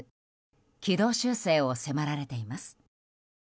軌道修正を迫られています。